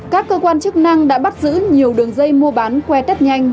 các cơ quan chức năng đã bắt giữ nhiều đường dây mua bán khoe tết nhanh